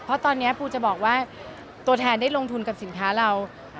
เพราะตอนนี้ปูจะบอกว่าตัวแทนได้ลงทุนกับสินค้าเรา